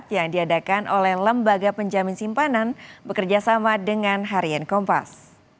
yang diadakan oleh lembaga penjamin simpanan bekerjasama dengan harian kompas